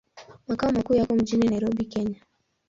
Makao makuu yako mjini Nairobi, Kenya.